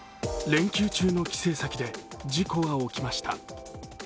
連休中の帰省先で事故は起きました。